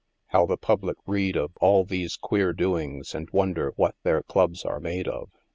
how thy public read of all these queer doings and wonder what their clubs are made of.